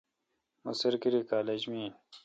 می سرکیری کالج می این۔